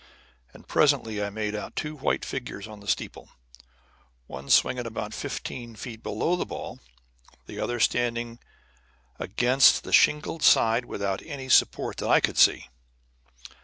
And presently I made out two white figures on the steeple, one swinging about fifteen feet below the ball, the other standing against the shingled side without any support that I could see.